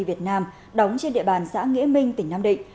việt nam đóng trên địa bàn xã nghĩa minh tỉnh nam định